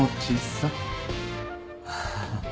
ハハハ。